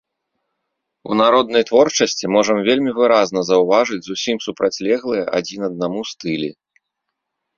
У народнай творчасці можам вельмі выразна заўважыць зусім супрацьлеглыя адзін аднаму стылі.